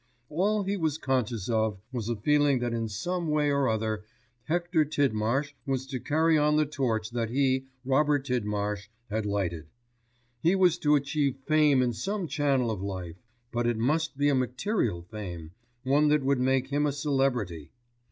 All he was conscious of was a feeling that in some way or other Hector Tidmarsh was to carry on the torch that he, Robert Tidmarsh, had lighted. He was to achieve fame in some channel of life; but it must be a material fame, one that would make him a celebrity.